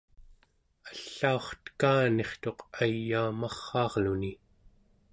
allaurtekanirtuq ayaumarraarluni